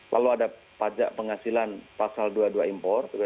lalu ada pajak penghasilan pasal dua puluh dua impor